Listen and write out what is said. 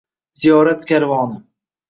Ziyorat karvoni